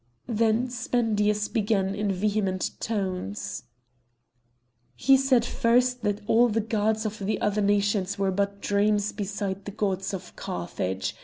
Then Spendius began in vehement tones: "He said first that all the Gods of the other nations were but dreams besides the Gods of Carthage!